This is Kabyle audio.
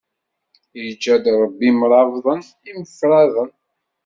Iǧǧa-d Ṛebbi imebraḍen, imefraḍen.